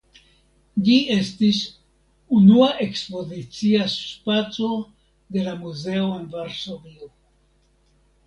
Ĝi estis unua ekspozicia spaco de la muzeo en Varsovio.